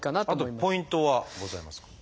あとポイントはございますか？